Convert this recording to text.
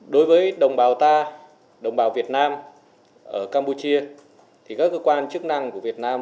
đối với đồng bào ta đồng bào việt nam ở campuchia thì các cơ quan chức năng của việt nam